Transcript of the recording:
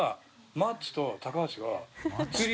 マッチと高橋。